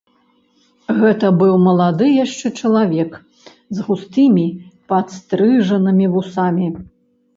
Гэта быў малады яшчэ чалавек з густымі, падстрыжанымі вусамі.